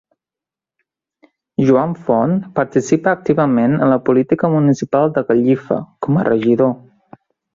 Joan Font participa activament en la política municipal de Gallifa com a regidor.